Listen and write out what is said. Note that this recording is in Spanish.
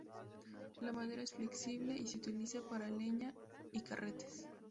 La madera es flexible y se utiliza para leña y carretes.